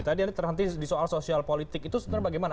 tadi anda terhenti di soal sosial politik itu sebenarnya bagaimana